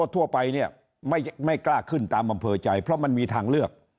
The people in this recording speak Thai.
ทั่วไปเนี่ยไม่กล้าขึ้นตามอำเภอใจเพราะมันมีทางเลือก